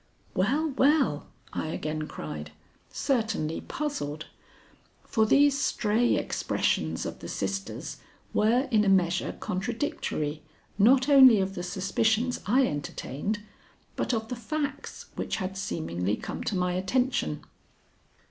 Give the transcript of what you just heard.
'" "Well, well," I again cried, certainly puzzled, for these stray expressions of the sisters were in a measure contradictory not only of the suspicions I entertained, but of the facts which had seemingly come to my attention.